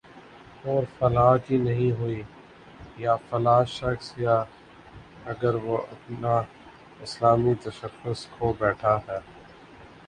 اور فلاں کی نہیں ہوئی، یا فلاں شخص یا گروہ اپنا اسلامی تشخص کھو بیٹھا ہے